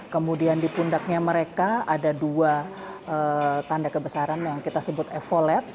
kemudian di pundaknya mereka ada dua tanda kebesaran yang kita sebut evolet